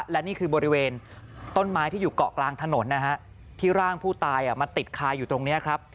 และนี่คือบริเวณต้นไม้ที่อยู่เกาะกลางถนนนะฮะที่ร่างผู้ตายมาติดคาอยู่ตรงนี้ครับ